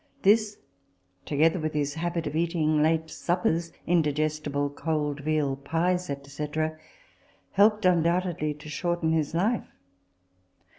This, together with his habit of eating late suppers (indigestible cold veal pies, &c.), helped undoubtedly to shorten his life.